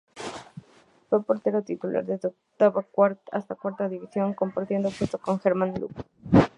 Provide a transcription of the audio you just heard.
Fue portero titular desde octava hasta cuarta división, compartiendo puesto con Germán Lux.